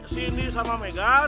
cindy sama megan